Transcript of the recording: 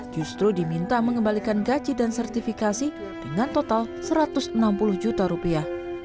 justru diminta mengembalikan gaji dan sertifikasi dengan total satu ratus enam puluh juta rupiah